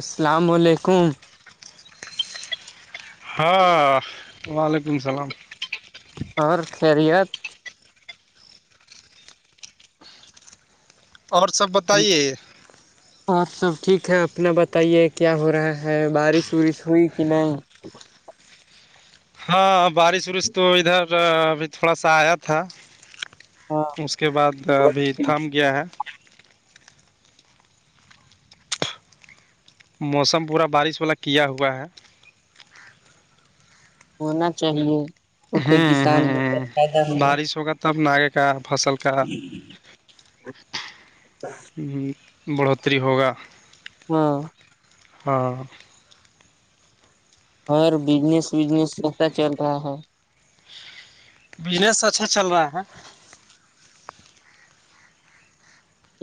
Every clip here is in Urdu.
السلام علیکم ہاں وعلیکم سلام اور خیریت اور سب بتائیے آج سب ٹھیک ہے اپنا بتائیے کیا ہو رہا ہے بارش وورش ہوئی کی نہیں ہاں بارش وارش تو ادھر ابھی تھوڑا سا ایا تھا ہاں اس کے بعد کہ ابھی تھام گیا ہے موسم پورا بارش والا کیا ہوا ہے ہونا چاہیے اس سے ہوں کسان بہت ہوں فائدہ ہو بارش ہوگا تب نے کا فصل کا جی ہم بڑھوتری ہوگا ہاں ہاں اور بجنس وزنس کیسا چل رہا ہے بزنس اچھا چل رہا ہے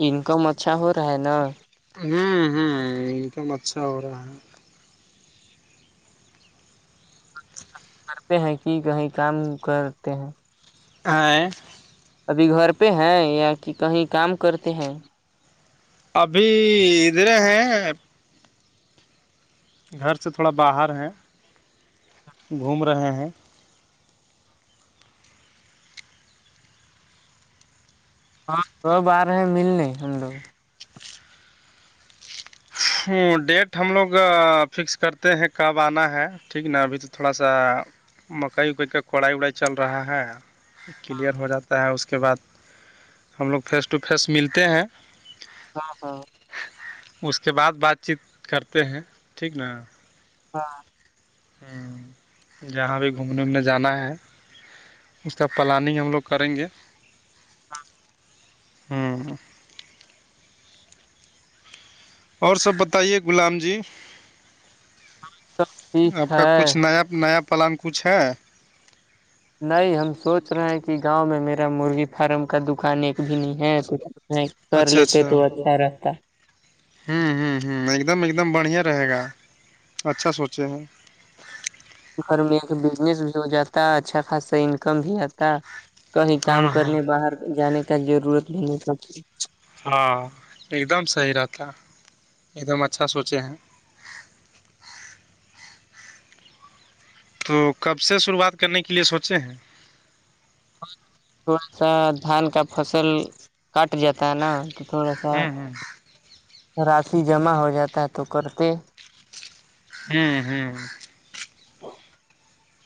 انکم اچھا ہو رہا ہے نا ہم ہم انکم اچھا ہو رہا ہے کرتے ہے کہ کہیں کام کرتے ہے ہائے ابھی گھر پہ ہے یا کہ کہیں کام کرتے ہے ابھی ادھر ہے گھر سے تھوڑا باہر ہے گھوم رہے ہے ہاں سب ا رے ملنے ہم لوگ ڈیٹ ہم لوگ فکس کرتے ہیں کب انا ہے ٹھیک نا ابھی تو تھوڑا سا مکئی اکئی کا پڑھائی وڑائی چل رہا ہے کلیئر ہو جاتا ہے اس کے بعد ہم لوگ فیس ٹو فیس ملتے ہے ہاں ہاں اس کے بعد بات چیت کرتے ہے ٹھیک نا ہاں ہم جہاں بھی گھومنے ومنے جانا ہے اس کا پلانگ ہم لوگ کریں گے ہاں ہوں اور سب بتائیے غلام جی اپ ٹھیک کا ہے کچھ نیا نیا پلان کچھ ہے نہیں ہم سوچ رہے ہیں کہ گاؤں میں میرا مرغی پہرم کا دکان ایک بھی نہیں ہے نہیں کر اچھا لیتے تو اچھا رہتا ہاں ہاں ہاں ایک دم ایک دم بڑھیا رہے گا اچھا سوچے ہیں گھر میں ایک بزنس بھی ہو جاتا اچھا خاصہ انکم بھی آتا کہیں کام ہاں ہاں کرنے باہر جانے کا ضرورت نہیں ہاں ایک دم صحیح رہتا ایک دم اچھا سوچے ہیں تو کب سے شروعات کرنے کے لیے سوچے ہیں تھوڑا سا دھان کا فصل کاٹ جاتا ہے نا کہ تھوڑا سا ہوں ہوں رسی جمع ہو جاتا تو کرتے ہاں ہاں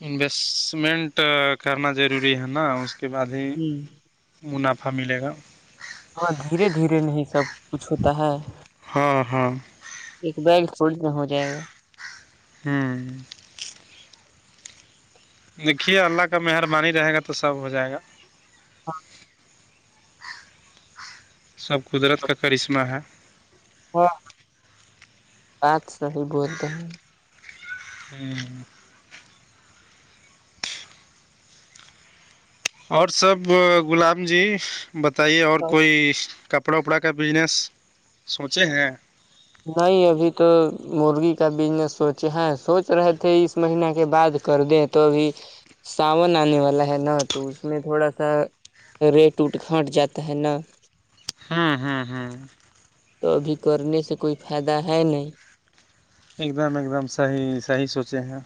انویسٹمنٹ کرنا ضروری ہے نا اس کے بعد ہی منافع ملے گا ہاں دھیرے دھیرے نہیں سب کچھ ہوتا ہے ہاں ہاں ایک بیگ فولڈ میں ہوجائے گا ہاں دیکھیے اللہ کا مہربانی رہے گا تو سب ہو جائے گا ہاں سب قدرت کا کرشمہ ہے ہاں بات صحیح بولتے ہیں ہمم اور سب غلام جی بتائیے اور کوئی کپڑا وپڑا کا بزنس سوچے ہیں نہیں ابھی تو مرغی کا بزنس سوچے ہیں سوچ رہے تھے اس مہینہ کے بعد کر دیں تو ابھی ساون آنے والا ہے نا تو اس میں تھوڑا سا ریٹ کھٹ جاتا ہے نا ہاں ہاں ہاں تو ابھی کرنے سے کوئی فائدہ ہے نہیں ایک دم ایک دم صحیح صحیح سوچے ہیں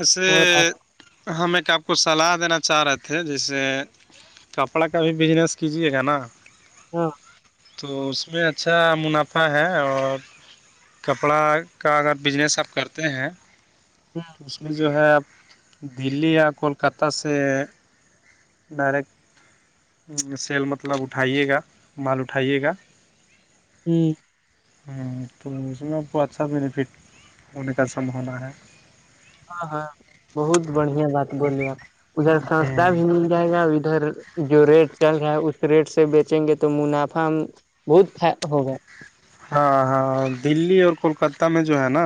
ایسے اور آپ ہم ایک آپ کو صلاح دینا چاہ رہے تھے جیسے کپڑا کا بھی بزنس کیجیے گا نا ہاں تو اس میں اچھا منافع ہے اور کپڑا کا اگر بزنس آپ کرتے ہیں ہاں تو اس میں جو ہے دلی یا کوکتہ سے ڈائریکٹ سیل مطلب اٹھائیے گا مال اٹھائیے گا ہمم ہاں تو اس میں آپکو اچھا بینیفٹ ہونے کا سم ہونا ہے ہاں ہاں بہت بڑھیا بات بولی اپنے ادھر ہ سستہ بھی مل جائے گا ادھر جو ریٹ چل رہا ہے اس ریٹ سے بیچیں گے تو منافع بہت ہوگا ہاں ہاں دلی اور کولکتہ میں جو ہے نا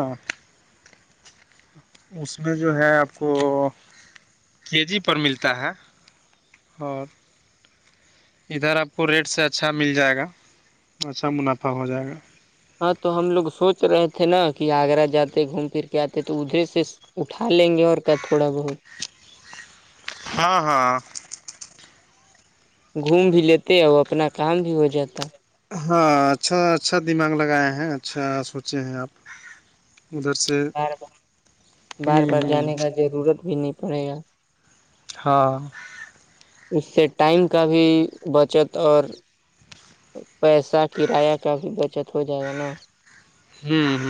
اس میں جو ہے آپ کو کے جی پر ملتا ہے اور ادھر آپ کو ریٹ سے اچھا مل جائے گا اچھا منافع ہو جائے گا ہاں تو ہم لوگ سوچ رہے تھے نا کہ آگرہ جاتے گھوم پھر کے آتے تو ادھرے سے اٹھا لیں گے اور کیا تھوڑا بہت ہاں ہاں گھوم بھی لیتے اور اپنا کام بھی ہو جاتا ہاں اچھا اچھا دماغ لگائے ہیں اچھا سوچے ہیں آپ بس بار بار بار ہوم بار ہن جانے کا ضرورت بھی نہیں پڑے گا ہاں اس سے ٹائم کا بھی بچت اور پیسہ کرایہ کا بھی بچت ہو جائے گا نا ہ ہ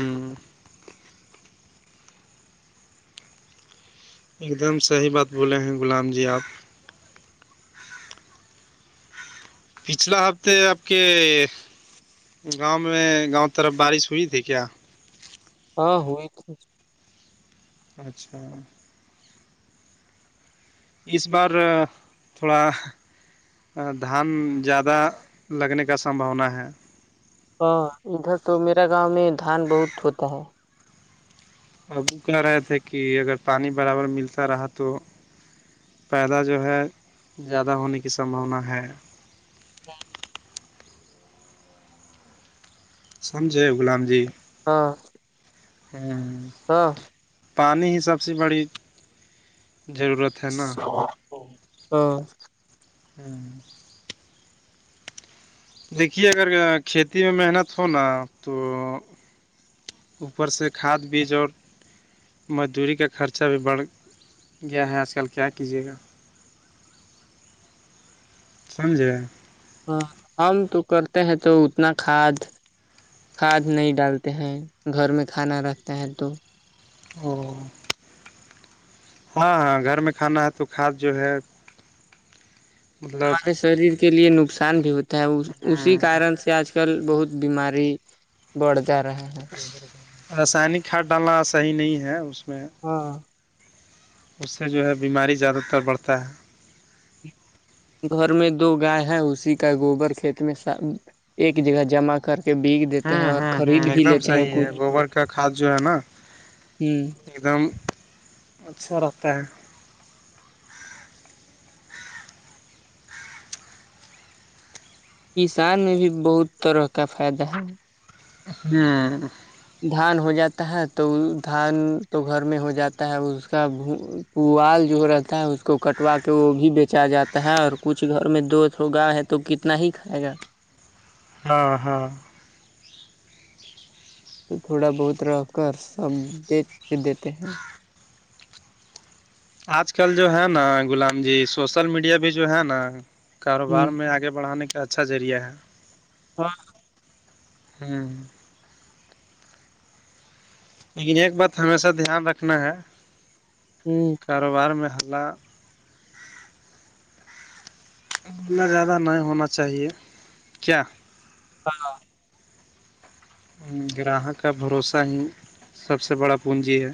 ایک دم صحیح بات بولے ہیں غلام جی آپ پچھلا ہفتے آپ کے گاؤں میں گاؤں طرف بارش ہوئی تھی کیا ہاں ہوئی تھی اچھا اس بار تھوڑا دھان زیادہ لگنے کا سمبھاونا ہے ہاں ادھر تو میرا گاؤں میں دھان بہت ہوتا ہے ہم کہہ رہے تھے کہ اگر پانی برابر ملتا رہا تو پیدا جو ہے زیادہ ہونے کی سمبھاونا ہے ہاں [inaudible] سمجھے غلام جی ہاں ہوں ہاں پانی ہی سب سے بڑی ضرورت ہے نا ہاں ہوں دیکھیے اگر کھیتی میں محنت ہوناا تو اوپر سے کھاد بیج اور مزدوری کا خرچہ بھی بڑھ گیا ہے آج کل کیا کیجیے گا سمجھے ہاں ہم تو کرتے ہیں تو اتنا کھاد کھاد نہیں ڈالتے ہیں گھر میں کھانا رکھتے ہیں تو ہوں ہاں گھر میں کھانا ہے تو کھاد جو ہے مطلب ہمارے شریر کے لیے نقصان بھی ہوتا ہے اسی کارن سے آج کل کل بہت بیماری بڑھ جا رہا ہے رسائنک کھاد ڈالنا صحیح نہیں ہے اس میں ہاں اس سے جو ہے بیماری زیادہ تر بڑھتا ہے گھر میں دو گائے ہے اسی کا گوبر کھیت میں ایک جگہ جمع کر ایک بیگ دیتے ہیں ہوں اور ہوں خرید ہوں بھی ایک دم لیتے ہیں صحیح ہے کچھ گوبر کا کھاد جو ہے نا ہوں ایک دم اچھا رہیتا ہے کسان میں بھی بہت طرح کا فائدہ ہے ہوں دھان ہو جاتا ہے تو دھان تو گھر میں ہو جاتا ہے اس کا پوال جو رہتا ہے اس کو کٹوا کے وہ بھی بیچا جاتا ہے اور کچھ گھر میں دو دو گا ہے تو کتنا ہی کھائے گا ہاں ہاں تو تھوڑا بہت راک کا سب بیچ دیتے ہیں آج کل جو ہے نا غلام جی سوشل میڈیا بھی جو ہے نا ہ کاروبار میں آگے بڑھانے کا اچھا ذریعہ ہے ہاں ہوں لیکن ایک بات ہمیشہ دھیان رکھنا ہے ہوں کاروبار میں حلہ اتنا زیادہ نہیں ہونا چاہیے کیا ہاں گراہک کا بھروسہ ہی سب سے بڑا پونجی ہے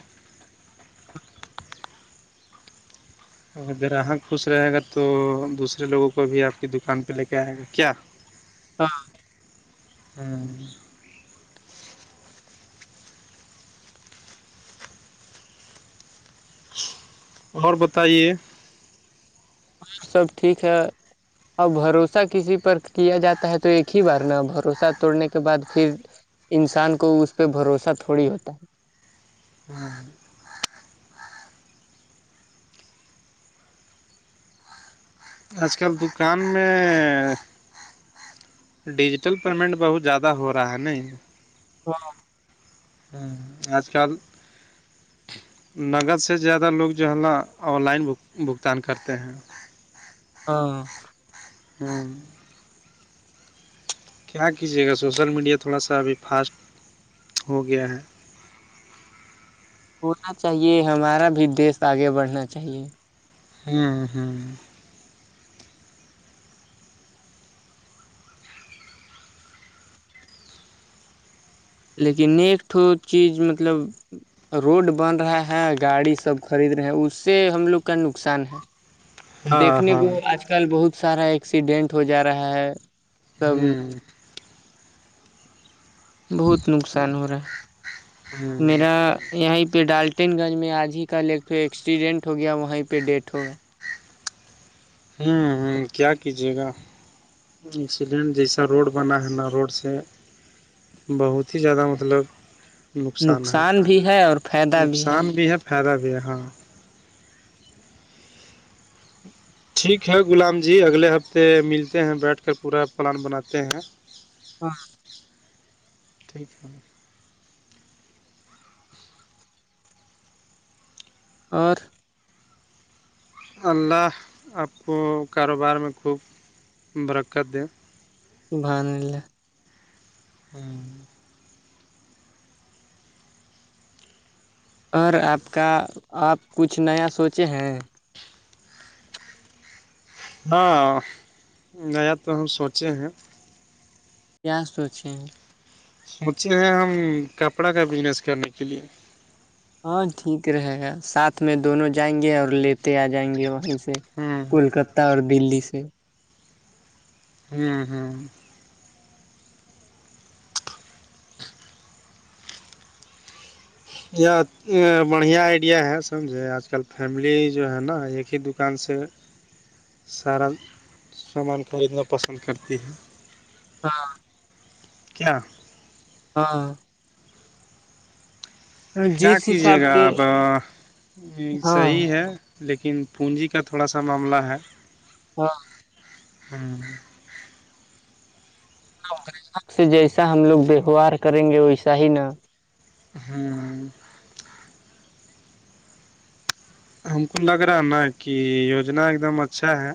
اگراہگ خوش رہے گا تو دوسرے لوگوں کو بھی آپ کی دکان پہ لے کے آئے گا کیا ہاں ہوں اور بتائیے اور سب ٹھیک ہے اور بھروسہ کسی پر کیا جاتا ہے تو ایک ہی بار نا بھروسہ توڑنے کے بعد پھر انسان کو اس پہ بھروسہ تھوڑی ہوتا ہے ہاں آج کل دکان میں ڈیجیٹل پیمنٹ بہت زیادہ ہو رہا ہے نا ہاں ہمم آج کل نقد سے زیادہ لوگ جو ہے نا آن لائن بھگتان کرتے ہیں ہاں ہوں کیا کیجیے گا سوشل میڈیا تھوڑا سا ابھی فاسٹ ہو گیا ہے ہونا چاہیے ہمارا بھی دیش آگے بڑھنا چاہیے ہمم ہمم لیکن نیکٹھو چیز مطلب روڈ بن رہا ہے گاڑی سب خرید رہے ہیں اس سے ہم لوگ کا نقصان ہے ہاں دیکھنے ہاں کو آج کل بہت سارا ایکسیڈینٹ ہو جا رہا ہے سب ہوں بہت نقصان ہو رہا ہ ہے میرا یہیں پہ ڈالٹن گنج میں آج ہی کل یکٹ ایکسیڈنٹ ہو گیا وہیں پہ ڈیتھ ہوگیا ہمم ہمم کیا کیجیے گا ایکسیڈنٹ جیسا روڈ بنا ہے نا روڈ سے بہت ہی زیادہ مطلب نقصان ہے بھی ہے اور فائدہ نقصان بھی ہے فائدہ بھی ہے ہاں ٹھیک ہے غلام جی اگلے ہفتے ملتے ہیں بیٹھ کر پورا پلان بناتے ہیں ہاں ٹھیک ہے اور اللہ آپ کو کاروبار میں خوب برکت دے [unintelligible] ہوں اور آپ کا آپ کچھ نیا سوچے ہیں ہاں نیا تو ہم سوچے ہیں کیا سوچیں ہے مجھے ہے ہم کپڑا کا بزنس کرنے کے لیے ہاں ٹھیک رہے گا ساتھ میں دونوں جائیں گے اور لیتے آ جائیں گے وہیں سے ہوں کولکتہ اور دلی سے ہوں ہوں یہ بڑھیا آئیڈیا ہے سمجھے آج کل فیملی جو ہے نا ایک ہی دکان سے سارا سامان خریدنا پسند کرتی ہے ہاں کیا ہاں کیا جس کیجیے حساب گا سے آپ ہاں صیح ہے لیکن پونجی کا تھوڑا سا معاملہ ہے ہاں ہوں سے جیسا ہم لوگ ووہار کریں گے ویسا ہی نا ہوں ہم کو لگ رہا ہے نا کہ یوجنا ایک دم اچھا ہے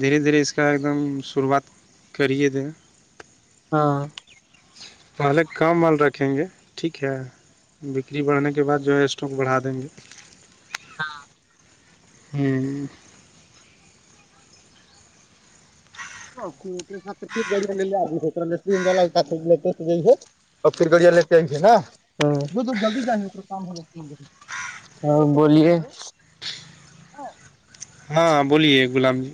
دھیرے دھیرے اس کا ایک دم شروعات کریے تھے ہاں پہلے کام مال رکھیں گے ٹھیک ہے بکری بڑھنے کے بعد جو ہے اسٹاک بڑھا دیں گے ہوں [unintelligible] اورب پھر گڑیا لیتےئیں گے نا جلدی جائیںے [unintelligible] ہاں بولیے ہاں بولیے غلام جی